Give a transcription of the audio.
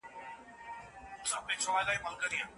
ولي قانون په نړیواله کچه ارزښت لري؟